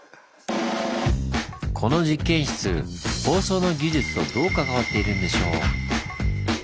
この実験室放送の技術とどう関わっているんでしょう？